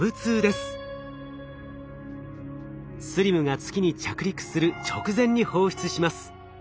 ＳＬＩＭが月に着陸する直前に放出します。